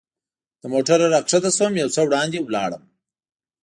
له موټره را کښته شوم، یو څه وړاندې ولاړم.